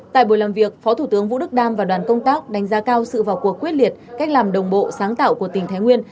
tại buổi làm việc phó thủ tướng vũ đức đam và đoàn công tác đánh giá cao sự vào cuộc quyết liệt cách làm đồng bộ sáng tạo của tỉnh thái nguyên